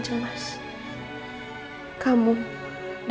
sampai ketemu bumpy